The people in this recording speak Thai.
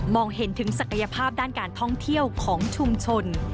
เห็นถึงศักยภาพด้านการท่องเที่ยวของชุมชน